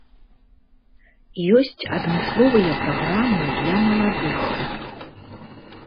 Ёсць адмысловыя праграмы для маладых.